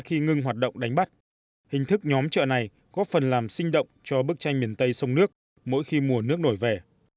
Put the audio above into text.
khi ngưng hoạt động đánh bắt hình thức nhóm chợ này có phần làm sinh động cho bức tranh miền tây sông nước mỗi khi mùa nước nổi về